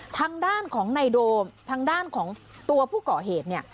ทางด้านของนายโดมทางด้านของตัวผู้ก่อเหตุเนี่ย